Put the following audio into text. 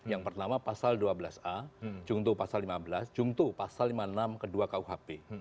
yang pertama pasal dua belas a jungtu pasal lima belas jungtu pasal lima puluh enam kedua kuhp